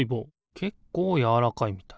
けっこうやわらかいみたい。